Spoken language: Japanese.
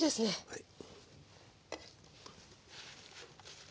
はい。